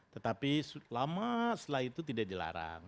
tetapi lama setelah itu tidak dilarang